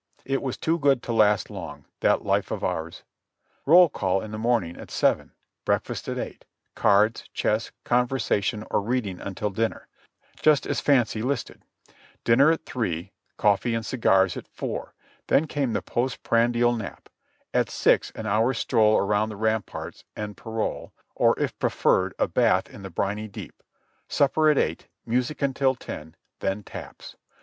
It was too good to last long, that life of ours. Roll call in the morning at seven; breakfast at eight; cards, chess, conversation or reading until dinner, just as fancy listed; dinner at three; coffee and cigars at four; then came the post prandial nap; at six an hour's stroll around the ramparts "en parole," or if preferred a bath in the briny deep; supper at eight; music until ten, then "taps."